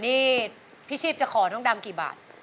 ๘๐๐๐๐นี่พี่ชีพจะขอท่องดำกี่บาท